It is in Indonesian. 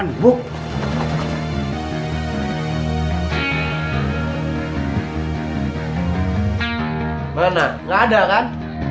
nggak ada kan